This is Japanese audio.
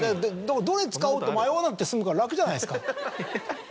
どれ使おうって迷わなくて済むから楽じゃないですか。